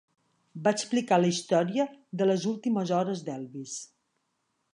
Va explicar la història de les últimes hores d'Elvis.